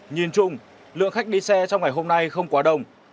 nhìn chung lượng khách đi xe trong ngày hôm nay không quá đông